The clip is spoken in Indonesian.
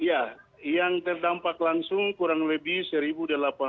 ya yang terdampak langsung kurang lebih seribu